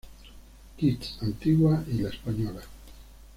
Kitts, Antigua y La Española.